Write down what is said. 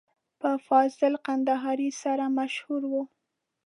په فاضل کندهاري سره مشهور و.